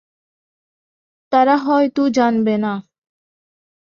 তারা হয়তো জানবে না।